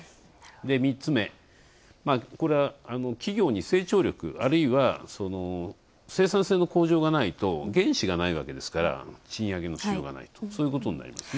３つ目、これは、企業に成長力、あるいは生産性の向上がないと、原資がないわけですから賃上げのしようがないと、そういうことになりますね。